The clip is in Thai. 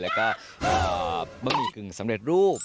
แล้วก็บะหมี่กึ่งสำเร็จรูป